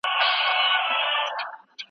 پټه خزانه یو تاریخي اثر دی.